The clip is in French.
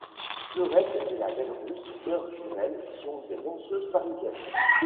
Fleurette et la Belle Russe, sœurs jumelles, sont des danseuses parisiennes.